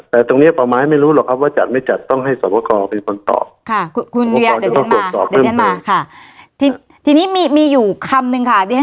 แต่ตรงนี้ป่าไม้ไม่รู้หรอกครับว่าจัดไม่จัดต้องให้สวกรเป็นคนตอบค่ะ